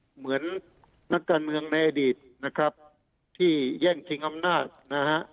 เหมือนนักการเมืองในอดีตนะครับที่แย่งชิงอำนาจนะฮะ